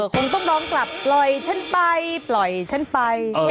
คงต้องร้องกลับปล่อยฉันไปปล่อยฉันไป